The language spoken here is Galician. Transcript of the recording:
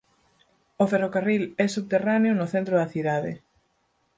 O ferrocarril é subterráneo no centro da cidade.